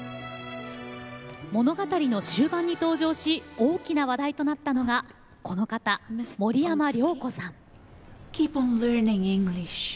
物語の終盤に登場し大きな話題となったのがこの方、森山良子さん。